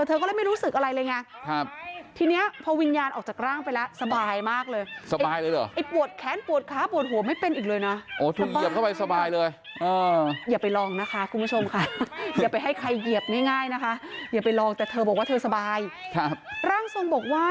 เธอก็เลยไม่รู้สึกอะไรเลยไงนะครับ